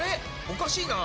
おかしいな！